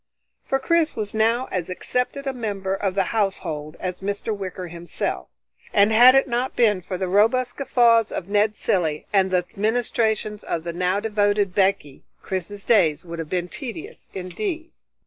For Chris was now as accepted a member of the household as Mr. Wicker himself, and had it not been for the robust guffaws of Ned Cilley, and the ministrations of the now devoted Becky, Chris's days would have been tedious indeed.